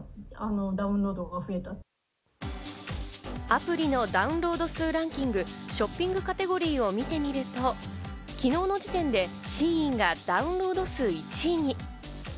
アプリのダウンロード数ランキング、ショッピングカテゴリーを見てみると、昨日の時点でＳＨＥＩＮがダウンロード数１位に。